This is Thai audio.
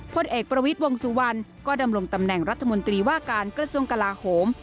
พลเอกประวิทย์วงสุวรรณก็ดำรงตำแหน่งรัฐมนตรีว่าการกระทรวงกลาโหม